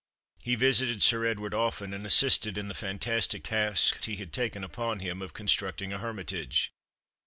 He visited Sir Edward often, and assisted in the fantastic task he had taken upon him of constructing a hermitage.